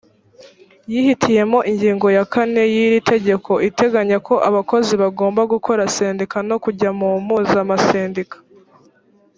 yihitiyemo ingingo ya kane y’iri tegeko iteganya ko abakozi bagomba gukora sendika no kujya mu mpuzamasendika